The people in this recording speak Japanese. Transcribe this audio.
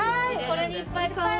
これにいっぱい買おう。